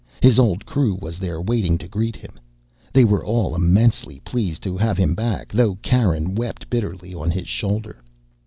His old crew was there waiting to greet him. They were all immensely pleased to have him back, though Karen wept bitterly on his shoulder.